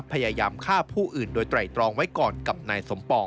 พยายามฆ่าผู้อื่นโดยไตรตรองไว้ก่อนกับนายสมปอง